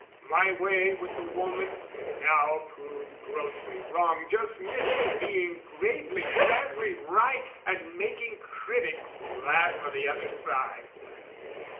My way with the woman, now proved grossly wrong, Just missed of being gravely grandly right And making critics laugh o' the other side.